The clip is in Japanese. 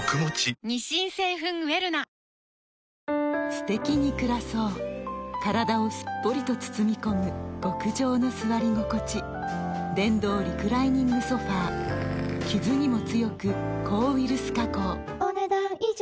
すてきに暮らそう体をすっぽりと包み込む極上の座り心地電動リクライニングソファ傷にも強く抗ウイルス加工お、ねだん以上。